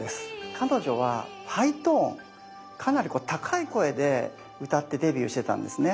彼女はハイトーンかなりこう高い声で歌ってデビューしてたんですね。